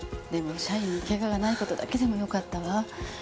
でも社員に怪我がない事だけでもよかったわ。